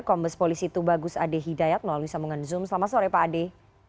kombes polisi tubagus ade hidayat melalui sambungan zoom selamat sore pak ade